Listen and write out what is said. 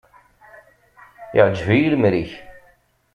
Iɛǧeb-iyi lemri-k.